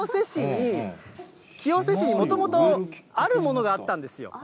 清瀬市にもともとあるものがあったんですよ。